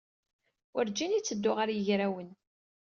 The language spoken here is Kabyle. Werǧin yetteddu ɣer yigrawen.